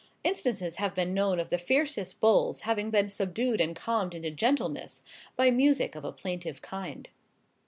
Instances have been known of the fiercest bulls having been subdued and calmed into gentleness, by music of a plaintive kind.